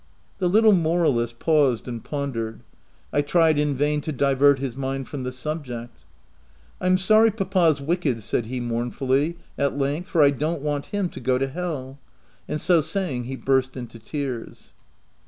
The little moralist paused and pondered. I tried in vain to divert his mind from the subject. tc I'm sorry papa's wicked/' said he mourn fully, at length, " for I don't want him to go to hell." And so saying he burst into tears.